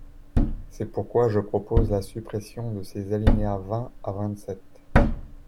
C’est pourquoi je propose la suppression de ces alinéas vingt à vingt-sept.